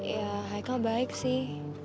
ya haikal baik sih